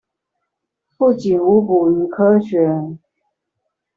不僅無補於科學